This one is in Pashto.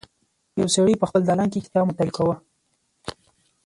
یو سړی په خپل دالان کې کتاب مطالعه کوله.